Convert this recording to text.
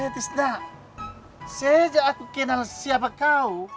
sejak aku kenal siapa kau